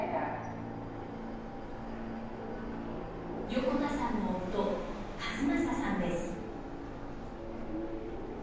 横田さんの夫、和正さんです。